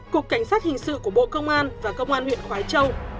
cục cảnh sát hình sự của bộ công an và công an huyện khói châu